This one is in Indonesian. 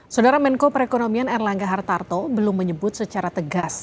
saudara menko perekonomian erlangga hartarto belum menyebut secara tegas